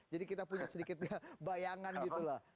jadi kita punya sedikit bayangan gitu lah